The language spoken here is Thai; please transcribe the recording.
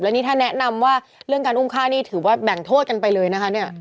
นี่ถ้าแนะนำว่าเรื่องการอุ้มฆ่านี่ถือว่าแบ่งโทษกันไปเลยนะคะเนี่ย